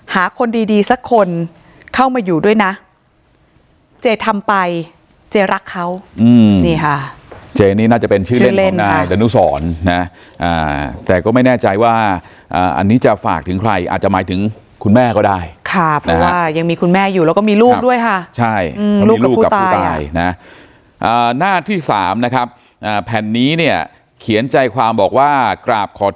คนดีดีสักคนเข้ามาอยู่ด้วยนะเจทำไปเจรักเขาอืมนี่ค่ะเจนี่น่าจะเป็นชื่อเล่นของนายดนุสรนะแต่ก็ไม่แน่ใจว่าอันนี้จะฝากถึงใครอาจจะหมายถึงคุณแม่ก็ได้ค่ะเพราะว่ายังมีคุณแม่อยู่แล้วก็มีลูกด้วยค่ะใช่ลูกลูกกับผู้ตายนะหน้าที่สามนะครับแผ่นนี้เนี่ยเขียนใจความบอกว่ากราบขอ